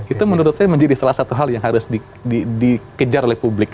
itu menurut saya menjadi salah satu hal yang harus dikejar oleh publik